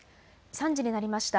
３時になりました。